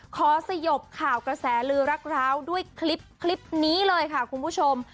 สยบข่าวกระแสลือรักร้าวด้วยคลิปนี้เลยค่ะคุณผู้ชม